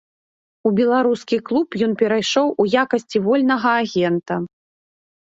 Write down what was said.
У беларускі клуб ён перайшоў у якасці вольнага агента.